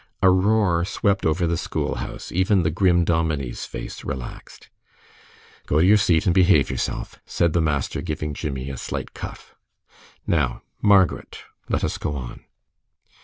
A roar swept over the school house. Even the grim dominie's face relaxed. "Go to your seat and behave yourself," said the master, giving Jimmie a slight cuff. "Now, Margaret, let us go on."